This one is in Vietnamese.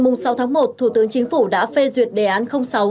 ngày sáu tháng một thủ tướng chính phủ đã phê duyệt đề án sáu